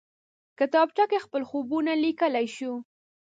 کتابچه کې خپل خوبونه لیکلی شو